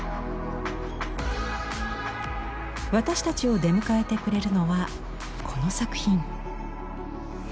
私たちを出迎えてくれるのはこの作品。